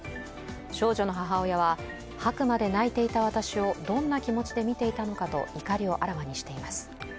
少女の母親は、吐くまで泣いていた私をどんな気持ちで見ていたのかと怒りをあらわにしています。